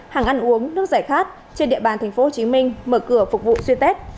hàng ăn uống nước giải khát trên địa bàn tp hcm mở cửa phục vụ xuyên tết